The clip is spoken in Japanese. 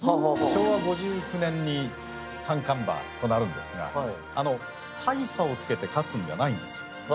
昭和５９年に三冠馬となるんですがあの大差をつけて勝つんじゃないんですよ。